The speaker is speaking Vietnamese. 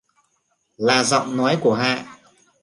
Là giọng nói của Hạ